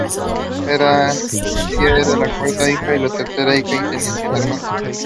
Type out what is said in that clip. He then continued his work for Red Cross in Europe.